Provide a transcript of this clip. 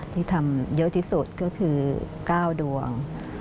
ที่ทำเยอะที่สุดก็คือ๙ดวง